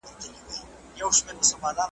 هسی نه چي را ته په قار یا لږ ترلږه خوابدي سي